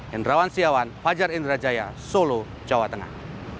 hendrawan siawan fajar indrajaya solo jawa tengah